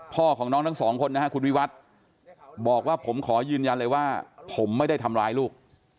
พ่อของน้องทั้งสองคนนะฮะคุณวิวัฒน์บอกว่าผมขอยืนยันเลยว่าผมไม่ได้ทำร้ายลูก